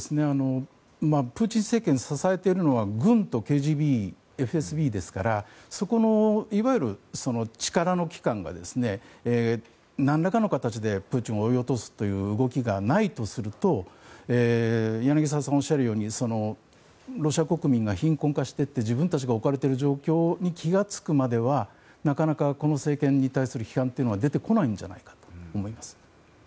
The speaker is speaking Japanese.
プーチン政権を支えているのは、軍とＫＧＢＦＳＢですからそこのいわゆる力の機関が何らかの形でプーチンを追い落とすという動きがないとすると柳澤さんおっしゃるようにロシア国民が貧困化していって自分たちが置かれている状況に気が付くまではなかなかこの政権に対する批判というのは出てこないんじゃないかと思います。